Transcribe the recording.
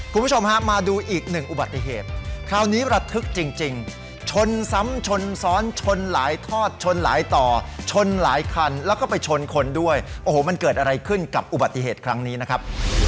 คุณผู้ชมฮะมาดูอีกหนึ่งอุบัติเหตุคราวนี้ระทึกจริงชนซ้ำชนซ้อนชนหลายทอดชนหลายต่อชนหลายคันแล้วก็ไปชนคนด้วยโอ้โหมันเกิดอะไรขึ้นกับอุบัติเหตุครั้งนี้นะครับ